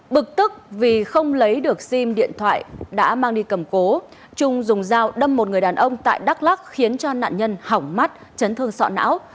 bực tức vì không lấy được sim điện thoại đã mang đi cầm cố trung dùng dao đâm một người đàn ông tại đắk lắc khiến cho nạn nhân hỏng mắt chấn thương sọ não